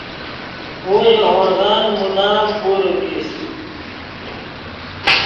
وو ژے ہورغن مدام گورے کیست